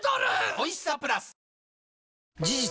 おいしさプラス事実